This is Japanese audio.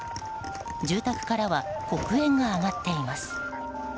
住宅からは黒煙が上がっています。